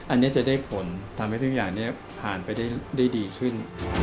อันนี้จะได้ผลทำให้ทุกอย่างผ่านไปได้ดีขึ้น